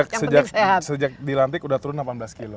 tapi sejak dilantik udah turun delapan belas kilo